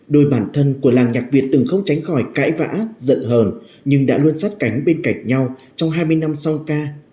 đôi bản thân của làng nhạc việt từng không tránh khỏi cãi vã giận hờn nhưng đã luôn sát cánh bên cạnh nhau trong hai mươi năm sau ca